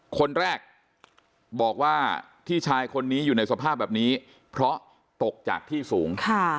คนแรกบอกว่าที่ชายคนนี้อยู่ในสภาพแบบนี้เพราะตกจากที่สูง